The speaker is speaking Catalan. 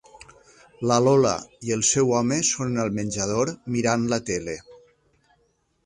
La Lola i el seu home són al menjador, mirant la tele.